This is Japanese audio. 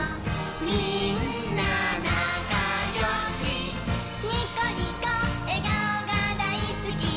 「みんななかよし」「ニコニコえがおがだいすき」